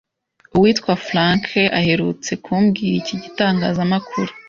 Uwitwa Frankay aherutse kubwira iki gitangazamakuru